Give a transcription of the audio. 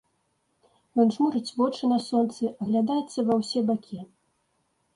Ён жмурыць вочы на сонцы, аглядаецца ва ўсе бакі.